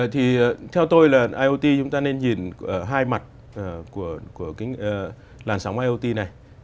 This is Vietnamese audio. thì theo tôi là iot chúng ta nên nhìn hai mặt của cái làn sóng iot này